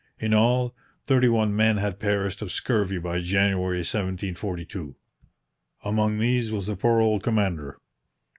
In all thirty one men had perished of scurvy by January 1742. Among these was the poor old commander.